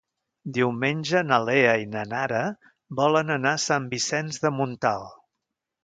Diumenge na Lea i na Nara volen anar a Sant Vicenç de Montalt.